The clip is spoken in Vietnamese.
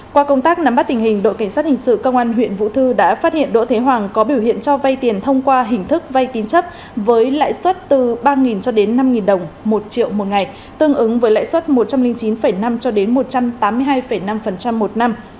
qua công tác nắm bắt tình hình đội cảnh sát hình sự công an huyện vũ thư đã phát hiện đỗ thế hoàng có biểu hiện cho vay tiền thông qua hình thức vay tín chấp với lãi suất từ ba cho đến năm đồng một triệu một ngày tương ứng với lãi suất một trăm linh chín năm cho đến một trăm tám mươi hai năm một năm